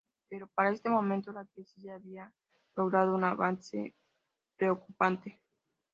Pero para este momento la crisis ya había logrado un avance preocupante.